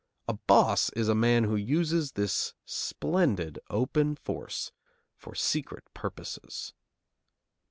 A boss is a man who uses this splendid, open force for secret purposes.